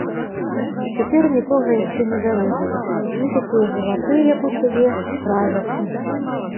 Цяпер нікога яшчэ не зарэзалі, гэтакія жываты, як у цябе, правячы.